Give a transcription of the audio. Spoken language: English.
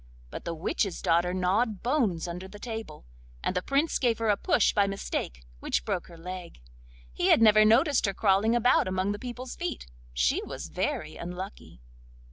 But the witch's daughter gnawed bones under the table, and the Prince gave her a push by mistake, which broke her leg—he had never noticed her crawling about among the people's feet. She was very unlucky!